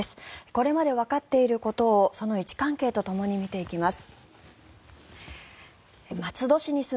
これまでわかっていることをその位置関係とともに見ていきます。